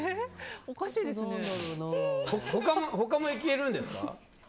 他もいけるんですか。